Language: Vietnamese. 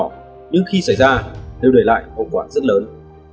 nhưng khi xảy ra đều để lại hậu quả rất lớn